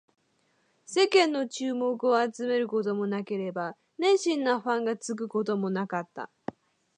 世間の注目を集めることもなければ、熱心なファンがつくこともなかった